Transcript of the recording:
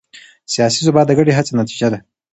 سیاسي ثبات د ګډې هڅې نتیجه ده